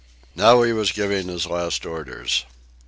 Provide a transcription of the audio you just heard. Now he was giving his last orders.